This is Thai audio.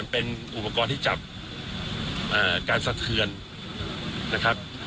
เป็นอุปกรณ์ที่จับการสะเทือนนะครับ